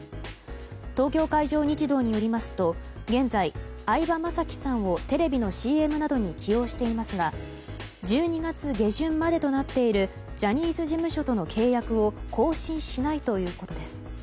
東京海上日動によりますと現在、相葉雅紀さんをテレビのＣＭなどに起用していますが１２月下旬までとなっているジャニーズ事務所との契約を更新しないということです。